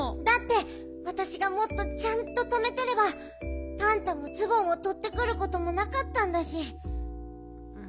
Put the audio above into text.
だってわたしがもっとちゃんととめてればパンタもズボンをとってくることもなかったんだし。